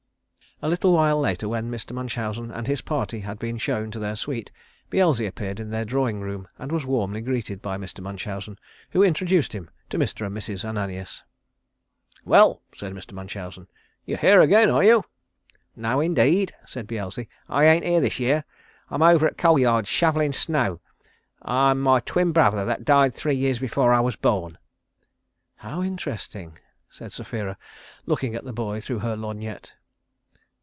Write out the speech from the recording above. A little while later when Mr. Munchausen and his party had been shown to their suite, Beelzy appeared in their drawing room and was warmly greeted by Mr. Munchausen, who introduced him to Mr. and Mrs. Ananias. "Well," said Mr. Munchausen, "you're here again, are you?" "No, indeed," said Beelzy. "I ain't here this year. I'm over at the Coal Yards shovellin' snow. I'm my twin brother that died three years before I was born." "How interesting," said Sapphira, looking at the boy through her lorgnette.